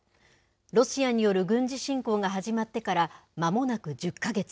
ロシアによる軍事侵攻が始まってからまもなく１０か月。